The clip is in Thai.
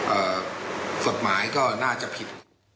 เอ่อสทธิบายก็น่าจะผิด